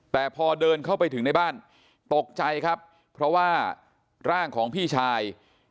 แต่พอเดินเข้าไปถึงในบ้านตกใจครับเพราะว่าร่างของพี่ชาย